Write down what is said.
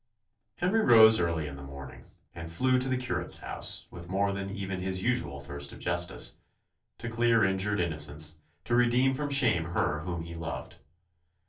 Henry rose early in the morning, and flew to the curate's house, with more than even his usual thirst of justice, to clear injured innocence, to redeem from shame her whom he loved.